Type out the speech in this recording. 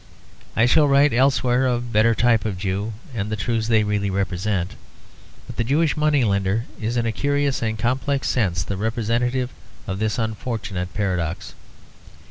I shall write elsewhere of better types of Jew and the truths they really represent; but the Jewish money lender is in a curious and complex sense the representative of this unfortunate paradox.